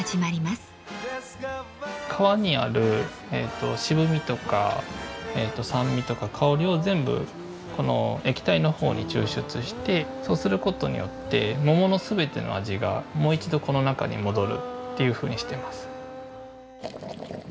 皮にある渋みとか酸味とか香りを全部この液体の方に抽出してそうすることによって桃の全ての味がもう一度この中に戻るというふうにしてます。